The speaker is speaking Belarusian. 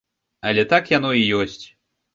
Але так яно і ёсць.